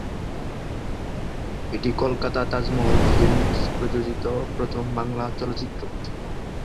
এটি কলকাতা তাজমহল ফিল্মস প্রযোজিত প্রথম বাংলা চলচ্চিত্র।